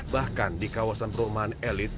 bahkan di kawasan perumahan elit